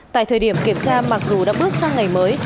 tại thời điểm kiểm tra mặc dù đã bước sang ngày mới